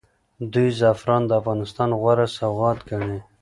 دوی زعفران د افغانستان غوره سوغات ګڼي.